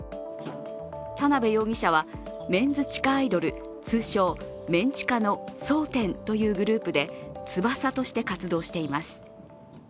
田辺容疑者はメンズ地下アイドル通称・メン地下の蒼天というグループで翼として活動しています。